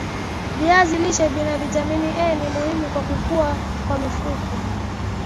viazi lishe Vina vitamini A ni muhimu kwa kukua kwa mifupa